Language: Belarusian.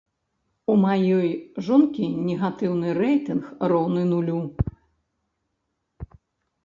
У маёй жонкі негатыўны рэйтынг роўны нулю.